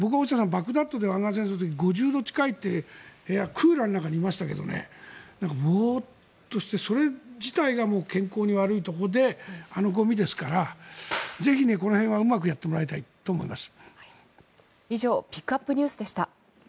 バグダッドで湾岸戦争の時５０度近い部屋クーラーなしでいましたけどボーっとして、それ自体が健康に悪いところであのゴミですからぜひ、この辺はうまくやってもらいたいと思います。